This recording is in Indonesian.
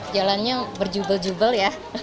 jalannya berjubel jubel ya